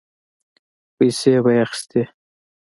پيسې به يې اخيستې.